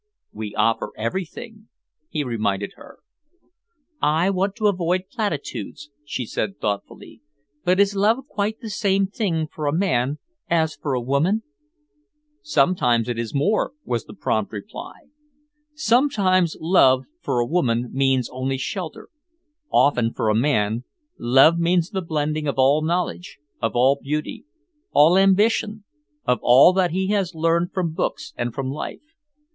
"We offer everything," he reminded her. "I want to avoid platitudes," she said thoughtfully, "but is love quite the same thing for a man as for a woman?" "Sometimes it is more," was the prompt reply. "Sometimes love, for a woman, means only shelter; often, for a man, love means the blending of all knowledge, of all beauty, all ambition, of all that he has learned from books and from life.